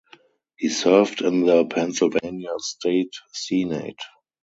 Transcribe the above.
He served in the Pennsylvania State Senate.